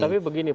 tapi begini pak